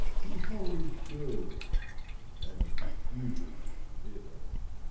Be holy still, And stupid ever